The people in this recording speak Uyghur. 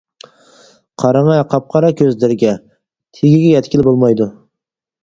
قاراڭە قاپقارا كۆزلىرىگە، تېگىگە يەتكىلى بولمايدۇ.